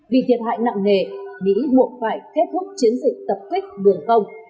vì thiệt hại nặng nề mỹ buộc phải kết thúc chiến dịch tập kích đường không